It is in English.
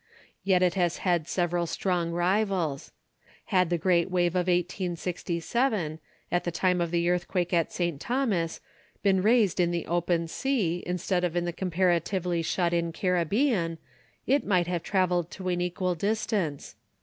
Yet it has had several strong rivals. Had the great wave of 1867, at the time of the earthquake at St. Thomas, been raised in the open sea, instead of in the comparatively shut in Caribbean, it might have travelled to an equal distance.